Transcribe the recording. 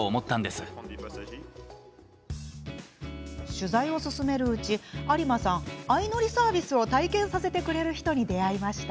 取材を進めるうちに有馬さん、相乗りサービスを体験させてくれる人に出会いました。